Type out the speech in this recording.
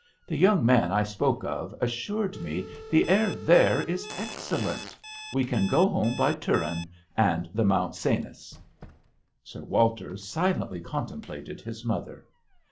The young man I spoke of as sured me the air there is excel lent. We can go home by Turin ' and the Mont Cenis." 50 THE hAtel d'angleterre. Sir Walter silently contem plated his mother.